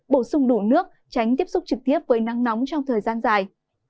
bổ sung đủ nước tránh tiếp xúc trực tiếp với nắng nóng trong thời gian dài